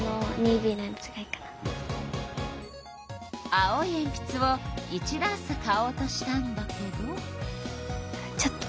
青いえんぴつを１ダース買おうとしたんだけど。